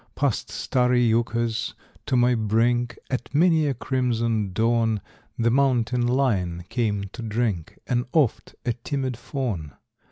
Past starry yuccas, to my brink, At many a crimson dawn, The mountain lion came to drink, And oft a timid fawn.